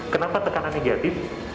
kenapa tekanan negatif